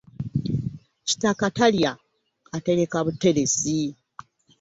Kitaka talya, atereka butelesi .